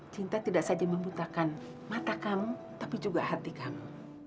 cinta tidak saja membutakan mata kamu tapi juga hati kamu